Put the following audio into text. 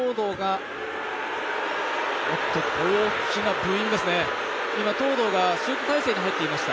大きなブーイングですね、今東藤がシュート体勢になっていました。